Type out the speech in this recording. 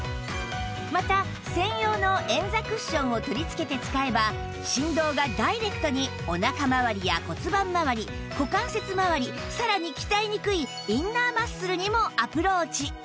また専用の円座クッションを取り付けて使えば振動がダイレクトにおなかまわりや骨盤まわり股関節まわりさらに鍛えにくいインナーマッスルにもアプローチ